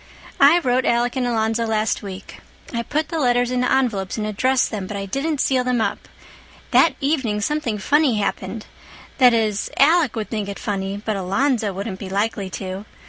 I wrote Alec and Alonzo last week. I put the letters into envelopes and addressed them, but I didn't seal them up. That evening something funny happened. That is, Alec would think it funny, but Alonzo wouldn't be likely to.